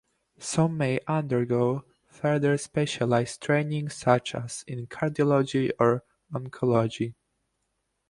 Some may undergo further specialized training, such as in cardiology or oncology.